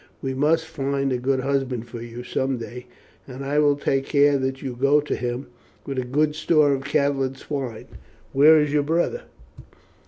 We must find a good husband for you some day, and I will take care that you go to him with a good store of cattle and swine. Where is your brother?"